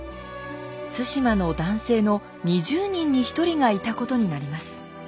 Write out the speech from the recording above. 対馬の男性の２０人に１人がいたことになります。